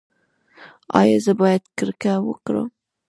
ایا زه باید کرکه وکړم؟